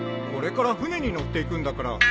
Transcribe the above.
これから船に乗って行くんだから。